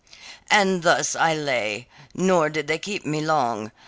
"And thus I lay, nor did they keep me long.